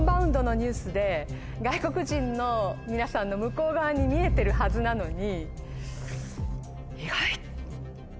外国人の皆さんの向こう側に見えてるはずなのに。